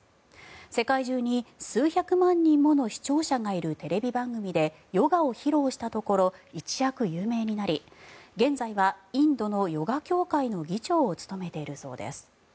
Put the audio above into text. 世界中に数百万人もの視聴者がいるテレビ番組でヨガを披露したところ一躍有名になり現在はインドのヨガ協会の議長を務めているそうです。